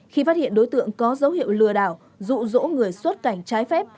khi phát hiện đối tượng có dấu hiệu lừa đảo rụ rỗ người xuất cảnh trái phép